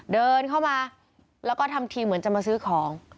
เดินเข้ามาแล้วก็ทำทีเหมือนจะมาซื้อของ